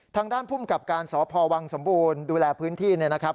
ทางด้านภูมิกับการสพวังสมบูรณ์ดูแลพื้นที่เนี่ยนะครับ